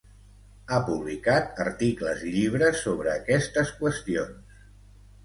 Ha publicat articles i llibres sobre aquestes qüestions